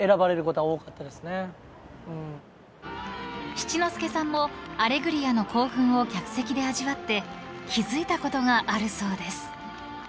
［七之助さんも『アレグリア』の興奮を客席で味わって気付いたことがあるそうです］